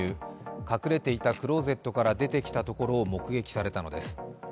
隠れていたクロゼットから出てきたところを目撃されたのです。